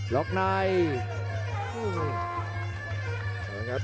ล็อคไนท์